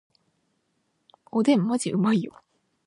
おでんマジでうまいよ